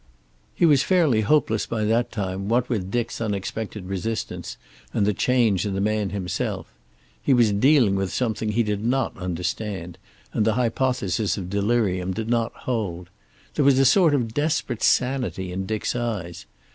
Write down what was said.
He was fairly hopeless by that time, what with Dick's unexpected resistance and the change in the man himself. He was dealing with something he did not understand, and the hypothesis of delirium did not hold. There was a sort of desperate sanity in Dick's eyes.